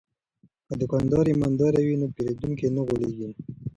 که دوکاندار ایماندار وي نو پیرودونکی نه غولیږي.